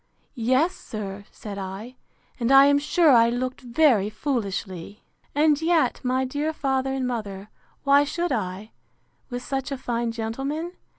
—Yes, sir, said I and I am sure I looked very foolishly! And yet, my dear father and mother, why should I, with such a fine gentleman?